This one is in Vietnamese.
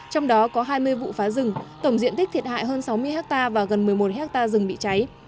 trong đó có hai mươi vụ phá rừng tổng diện tích thiệt hại hơn sáu mươi hectare và gần một mươi một hectare rừng bị cháy